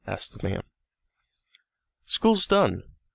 asked the man. "School's done.